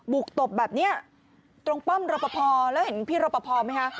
ตบแบบนี้ตรงป้อมรอปภแล้วเห็นพี่รอปภไหมคะ